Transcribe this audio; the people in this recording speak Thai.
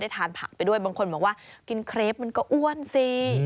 ทานผักไปด้วยบางคนบอกว่ากินเครปมันก็อ้วนสิ